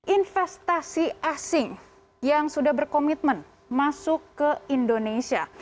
investasi asing yang sudah berkomitmen masuk ke indonesia